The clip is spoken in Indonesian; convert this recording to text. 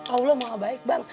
allah maha baik bang